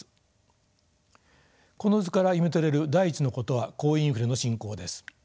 この図から読み取れる第１のことは高インフレの進行です。